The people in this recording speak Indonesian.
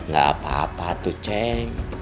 gak apa apa tuh ceng